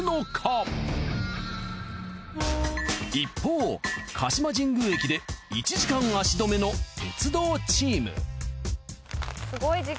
一方鹿島神宮駅で１時間足止めの鉄道チーム。